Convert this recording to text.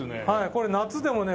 これ夏でもね